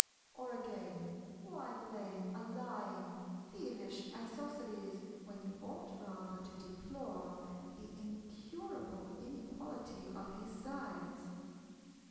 Or again, why blame a lying, thievish Isosceles, when you ought rather to deplore the incurable inequality of his sides?